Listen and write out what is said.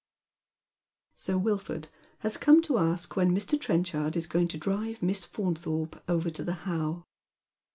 Sir Wilford has come to ask when Mr. Trenchard is going to drive Miss Faunthorpe over to the How.